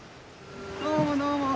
どうもどうも。